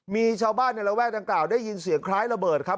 มีชาวบ้านในระแวกดังกล่าวได้ยินเสียงคล้ายระเบิดครับ